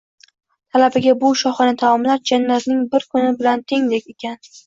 Talabaga bu shohona taomlar jannatning bir kuni bilan tengdek ekan